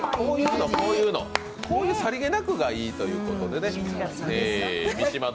こういうさりげなくがいいということでね。